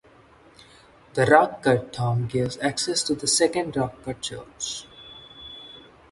The rock-cut tomb gives access to the second rock-cut church.